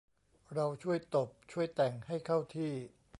เราช่วยตบ ช่วยแต่ง ให้เข้าที่